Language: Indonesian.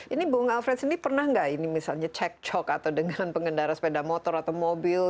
ini bung alfred sendiri pernah nggak ini misalnya cek cok atau dengan pengendara sepeda motor atau mobil